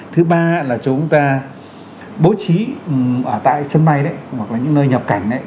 thứ ba là chúng ta bố trí ở tại sân bay đấy hoặc là những nơi nhập cảnh